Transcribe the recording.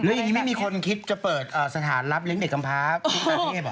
ไม่ยังงี้ก็ไม่มีคนจะคิดจะเปิดสถานหลับเลี้ยงเด็กคำพาค์ลูกศาสตร์เทพ